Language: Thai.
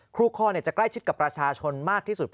ครูคอจะใกล้ชิดกับประชาชนมากที่สุด